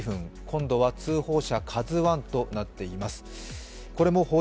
今度は通報者「ＫＡＺＵⅠ」となっています。